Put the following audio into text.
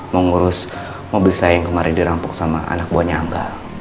mau ngurus mobil saya yang kemarin dirampok sama anak buannya angga